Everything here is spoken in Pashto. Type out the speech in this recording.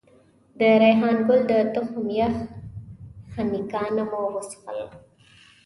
د ریحان ګل د تخم یخ خنکيانه مو وڅښل.